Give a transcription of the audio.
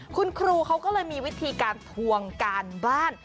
คุณครูเขาก็เลยมีวิธีการทวงการบ้าน